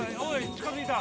近づいた。